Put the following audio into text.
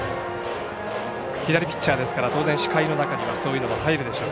左ピッチャーですから当然視界の中には、そういうのも入ってくるでしょう。